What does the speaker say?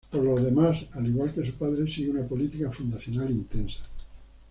Por lo demás al igual que su padre sigue una política fundacional intensa.